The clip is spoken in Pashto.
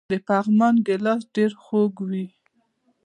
د پغمان ګیلاس ډیر خوږ وي.